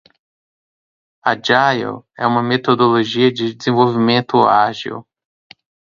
Agile é uma metodologia de desenvolvimento ágil.